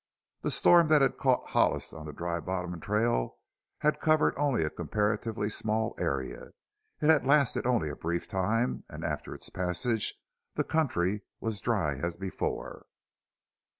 The storm that had caught Hollis on the Dry Bottom trail had covered only a comparatively small area; it had lasted only a brief time and after its passage the country was dry as before.